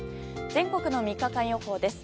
全国の３日間予報です。